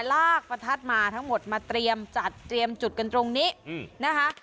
ลากประทัดมาทั้งหมดมาเตรียมจัดเตรียมจุดกันตรงนี้นะคะ